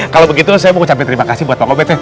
kalau begitu saya mau ucapkan terima kasih buat pak obed ya